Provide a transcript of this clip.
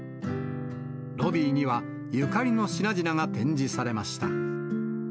ロビーにはゆかりの品々が展示されました。